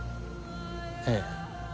ええ。